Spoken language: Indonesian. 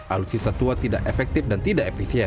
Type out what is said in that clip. alur susita tua tidak efektif dan tidak efisien